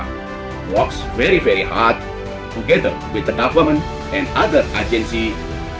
dan mengucapkan penghargaan dengan sangat keras pada pemerintah dan agensi lain